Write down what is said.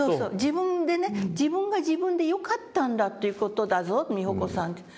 自分でね「自分が自分でよかったんだという事だぞ美穂子さん」って。